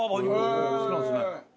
お好きなんですね。